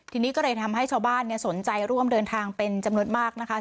ทีนี้ก็เลยทำให้ชาวบ้านสนใจร่วมเดินทางเป็นจำนวนมากนะคะ